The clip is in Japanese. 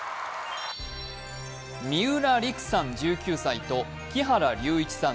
三浦璃来さん１９歳と木原龍一さん